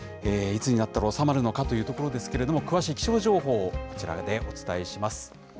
いつになった収まるのかというところですけれども、詳しい気象情報をこちらでお伝えします。